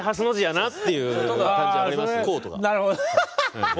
なるほどね。